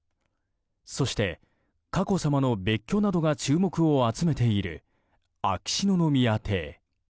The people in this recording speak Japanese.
そして、佳子さまの別居などが注目を集めている秋篠宮邸。